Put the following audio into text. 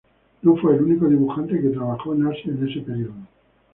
No fue el único dibujante que trabajó en Asia en ese periodo.